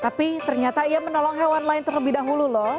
tapi makanya kita harus menolong hewan lain terlebih dahulu loh